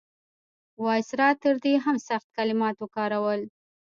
وایسرا تر دې هم سخت کلمات وکارول.